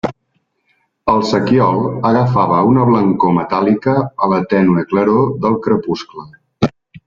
El sequiol agafava una blancor metàl·lica a la tènue claror del crepuscle.